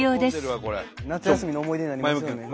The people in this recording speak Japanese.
夏休みの思い出になりますよね。